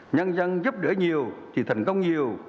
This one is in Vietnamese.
nhân dân giúp đỡ nhiều thì thành công nhiều